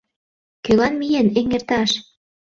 Кӧлан миен эҥерташ?